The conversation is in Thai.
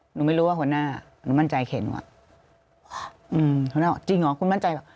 หนูไม่รู้ว่าคนน่าหนูมั่นใจเขตหนูอ่ะอืมคนน่าจริงเหรอคุณมั่นใจ